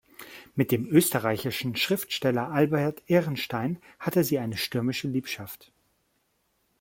Mit dem österreichischen Schriftsteller Albert Ehrenstein hatte sie eine stürmische Liebschaft.